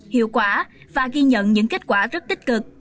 hiệu quả và ghi nhận những kết quả rất tích cực